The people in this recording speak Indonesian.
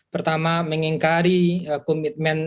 pertama mengingkari komitmen demokratik kita sendiri